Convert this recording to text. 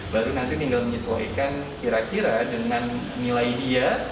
baru nanti tinggal menyesuaikan kira kira dengan nilai dia